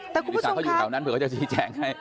แต่กุฏิศักดิ์ก็อยู่แถวนั้นเผื่อจะชี้แจ้งแห้ง